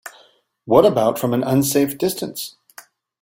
What about from an unsafe distance?